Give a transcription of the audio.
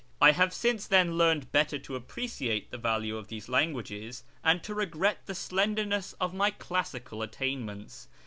I have since then learned better to appreciate the value of these languages, and to regret the slenderness of my classical attainments.